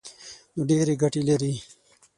نو ډېرې ګټې لري.